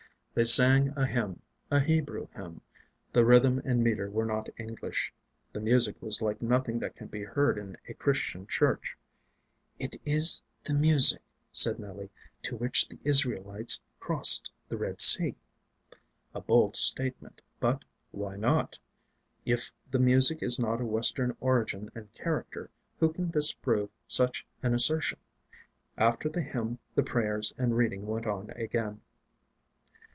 They sang a hymn a Hebrew hymn the rhythm and metre were not English; the music was like nothing that can be heard in a Christian Church. "It is the music," said Nelly, "to which the Israelites crossed the Red Sea:" a bold statement, but why not? If the music is not of Western origin and character, who can disprove such an assertion? After the hymn the prayers and reading went on again.